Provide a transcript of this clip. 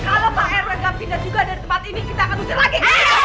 kalau pak rw gak pindah juga dari tempat ini kita akan usir lagi